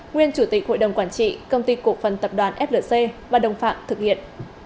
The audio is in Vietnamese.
nguyên chủ tịch hội đồng quản trị công ty cổ phần tập đoàn flc và đồng phạm thực hiện